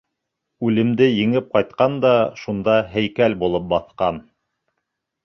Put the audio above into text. — Үлемде еңеп ҡайтҡан да шунда һәйкәл булып баҫҡан.